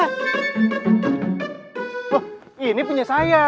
loh ini punya saya